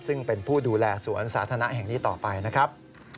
ซึ่งเป็นผู้ดูแลสวนสาธารณะแห่งนี้ต่อไปนะครับ